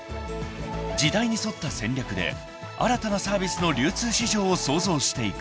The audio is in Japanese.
［時代に沿った戦略で新たなサービスの流通市場を創造していく］